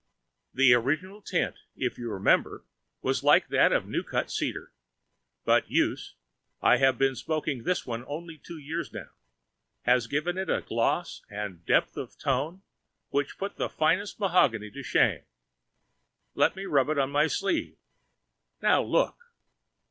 The original tint, if you remember, was like that of new cut cedar, but use—I've been smoking this one only two years now—has given it gloss and depth of tone which put the finest mahogany to shame. Let me rub it on my sleeve. Now look!